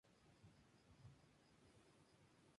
Alex Christensen en The Secret Life of Us.